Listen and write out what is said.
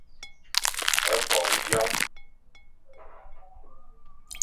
Bo vyoñ.